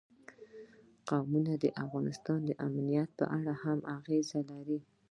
قومونه د افغانستان د امنیت په اړه هم اغېز لري.